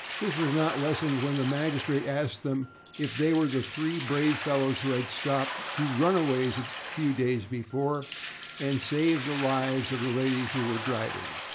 This was not lessened when the magistrate asked them if they were the three brave fellows who had stopped the two runaways a few days before, and saved the lives of the ladies who were driving.